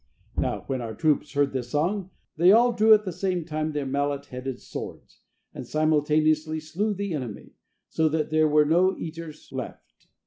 Now when our troops heard this song, they all drew at the same time their mallet headed swords, and simultaneously slew the enemy, so that there were no eaters left.